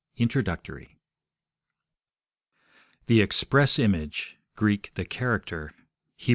D. INTRODUCTORY 'The express image' [Gr. 'the character']. Heb.